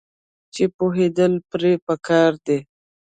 چې پوهیدل پرې پکار دي.